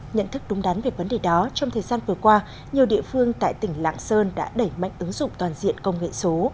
nhận thức đúng đắn về vấn đề đó trong thời gian vừa qua nhiều địa phương tại tỉnh lạng sơn đã đẩy mạnh ứng dụng toàn diện công nghệ số